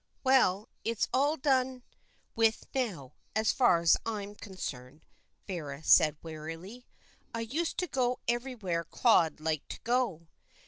"Well, it is all done with now, as far as I am concerned," Vera said wearily. "I used to go everywhere Claude liked to go.